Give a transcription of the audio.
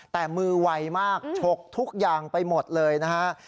แต่มือไวมากฉกทุกอย่างไปหมดเลยนะฮะ